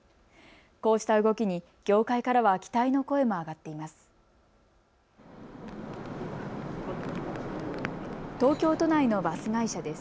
こうした動きに業界からは期待の声も上がっています。